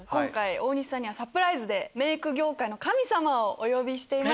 大西さんにサプライズでメイク業界の神様をお呼びしてます。